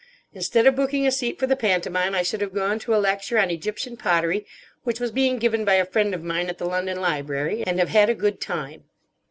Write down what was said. Instead of booking a seat for the pantomime I should have gone to a lecture on Egyptian pottery which was being given by a friend of mine at the London Library, and have had a good time.